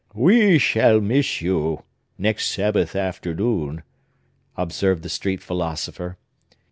"We shall miss you, next Sabbath afternoon," observed the street philosopher.